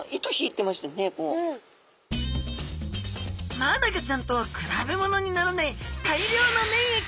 マアナゴちゃんとは比べものにならない大量の粘液！